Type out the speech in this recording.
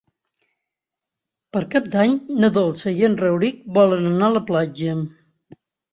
Per Cap d'Any na Dolça i en Rauric volen anar a la platja.